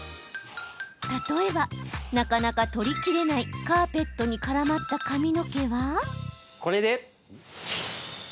例えば、なかなか取りきれないカーペットに絡まった髪の毛は。